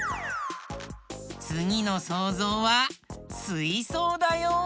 つぎのそうぞうはすいそうだよ。